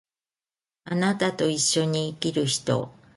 貴方と一緒に生きる人